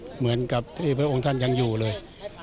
เหมือนกับที่พระองค์ท่านยังอยู่เลย